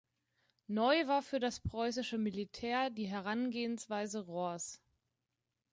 Neu war für das preußische Militär die Herangehensweise Rohrs.